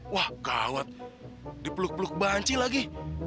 wah gawat di peluk peluk banci lagi